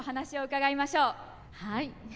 はい。